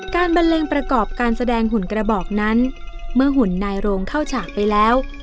บันเลงประกอบการแสดงหุ่นกระบอกนั้นเมื่อหุ่นนายโรงเข้าฉากไปแล้ว